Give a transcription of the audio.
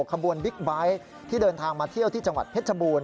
บิ๊กไบท์ที่เดินทางมาเที่ยวที่จังหวัดเพชรบูรณ